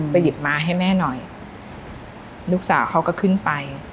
หยิบมาให้แม่หน่อยลูกสาวเขาก็ขึ้นไป